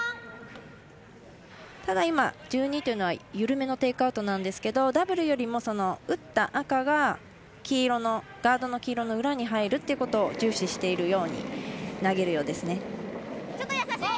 ただ、今、１２というのは緩めのテイクアウトなんですけどダブルよりも打った赤がガードの黄色の裏に入るっていうことを重視しているように投げるようですね。